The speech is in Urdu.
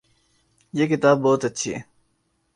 یہ کتاب بہت اچھی ہے